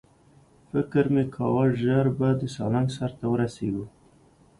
فکر مې کاوه ژر به د سالنګ سر ته ورسېږو.